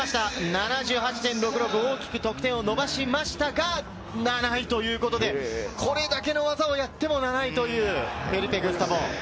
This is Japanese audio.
７８．６６、大きく得点を伸ばしましたが７位ということで、これだけの技をやっても７位というフェリペ・グスタボ。